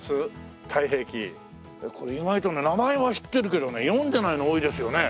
これ意外と名前は知ってるけどね読んでないの多いですよね。